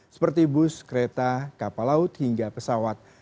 seperti bus kereta kapal laut hingga pesawat